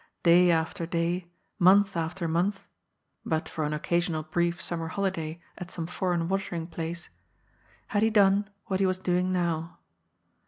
Day after day, month after month — ^but for an occasional brief summer holiday at some foreign watering place — ^had he done what he was doing now.